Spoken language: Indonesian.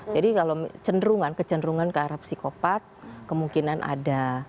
jadi kalau cenderungan ke arah psikopat kemungkinan ada